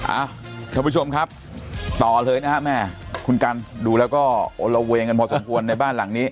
ท่านผู้ชมครับต่อเลยนะฮะแม่คุณกันดูแล้วก็โอละเวงกันพอสมควรในบ้านหลังนี้